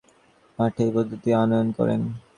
তিনি সফলভাবে ফরাসি রেসের মাঠে এই পদ্ধতি আনয়ন করেন।